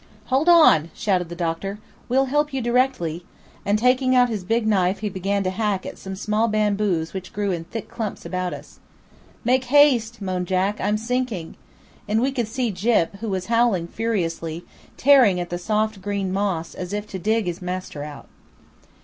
"Hold on!" shouted the doctor; "we'll help you directly;" and taking out his big knife he began to hack at some small bamboos which grew in thick clumps about us. "Make haste," moaned Jack, "I'm sinking;" and we could see Gyp, who was howling furiously, tearing at the soft moss as if to dig his master out.